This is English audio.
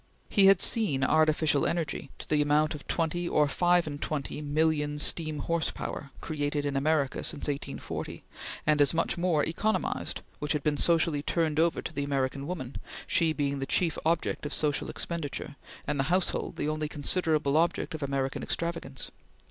He had seen artificial energy to the amount of twenty or five and twenty million steam horse power created in America since 1840, and as much more economized, which had been socially turned over to the American woman, she being the chief object of social expenditure, and the household the only considerable object of American extravagance.